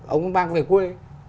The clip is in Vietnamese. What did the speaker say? ông ấy mang về quê